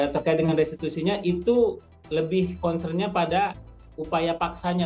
terkait dengan restitusinya itu lebih concernnya pada upaya paksanya